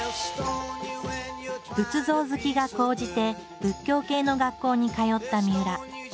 仏像好きが高じて仏教系の学校に通ったみうら。